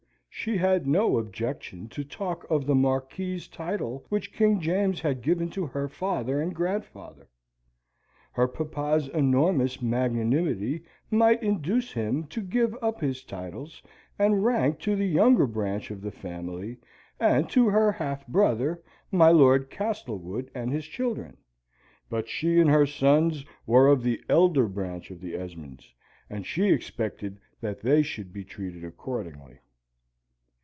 She had no objection to talk of the Marquis's title which King James had given to her father and grandfather. Her papa's enormous magnanimity might induce him to give up his titles and rank to the younger branch of the family, and to her half brother, my Lord Castlewood and his children; but she and her sons were of the elder branch of the Esmonds, and she expected that they should be treated accordingly.